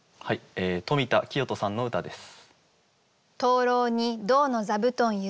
富田清人さんの歌です。